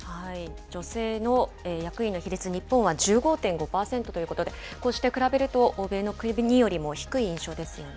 女性の役員の比率、日本は１５．５％ということで、こうして比べると欧米の国よりも低い印象ですよね。